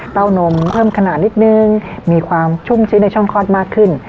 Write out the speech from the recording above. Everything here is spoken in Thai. นมเพิ่มขนาดนิดนึงมีความชุ่มชื้นในช่องคลอดมากขึ้น